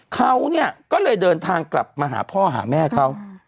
เขาเนี่ยก็เลยเดินทางกลับมาหาพ่อหาแม่เขา